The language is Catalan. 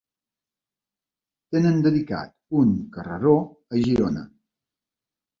Tenen dedicat un carreró a Girona.